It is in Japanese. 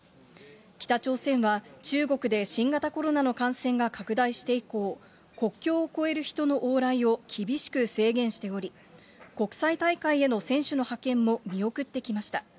北朝鮮は中国で新型コロナの感染が拡大して以降、国境を越える人の往来を厳しく制限しており、国際大会への選手の派遣も見送ってきました。